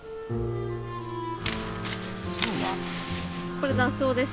これ雑草です。